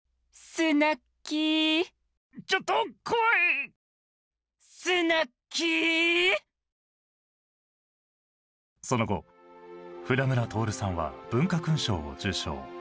「スナッキー」その後船村徹さんは文化勲章を受章。